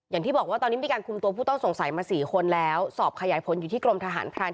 อย่างที่บอกว่าตอนนี้มีการคุมตัวผู้ต้องสงสัยมา๔คนแล้วสอบขยายผลอยู่ที่กรมทหารพราน